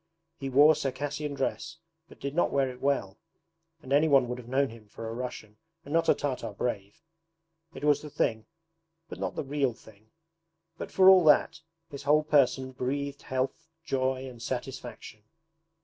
He wore Circassian dress but did not wear it well, and anyone would have known him for a Russian and not a Tartar brave. It was the thing but not the real thing. But for all that, his whole person breathed health, joy, and satisfaction.